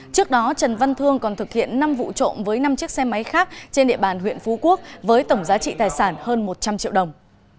trước đó trần văn thương còn thực hiện năm vụ trộm với năm chiếc xe máy khác trên địa bàn huyện phú quốc với tổng giá trị tài sản hơn một trăm linh triệu đồng